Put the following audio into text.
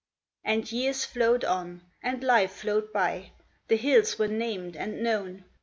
And years flowed on, and life flowed by. The hills were named and known.